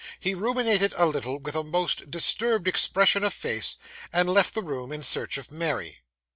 He ruminated a little with a most disturbed expression of face, and left the room in search of Mary.